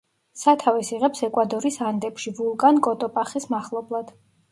სათავეს იღებს ეკვადორის ანდებში ვულკან კოტოპახის მახლობლად.